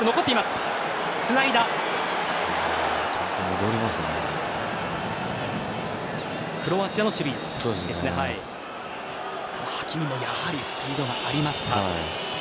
ただ、ハキミもやはりスピードがありました。